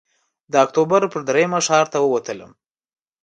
د اکتوبر پر درېیمه ښار ته ووتلم.